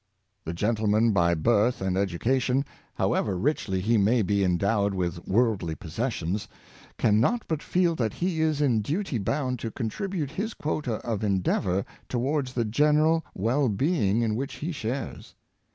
The gentleman by birth and education, however richly he may be endowed with worldly possessions, can not but feel that he is in duty bound to contribute his quota of endeavor towards the general well being in which he shares.